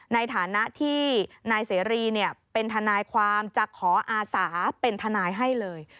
ในฐานะที่นายเสรีเป็นทนายความจะขออาสาเป็นทนายให้เลย